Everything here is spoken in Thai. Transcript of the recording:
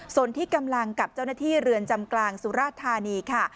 ส่วนที่กำลังกับเจ้าหน้าที่เรือนจำกลางสุราธานีค่ะ